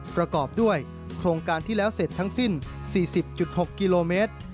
ประกอบด้วยโครงการที่แล้วเสร็จทั้งสิ้น๔๐๖กิโลเมตร